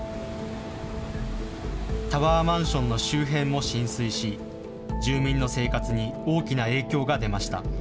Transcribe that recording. タワーマンションの周辺も浸水し、住民の生活に大きな影響が出ました。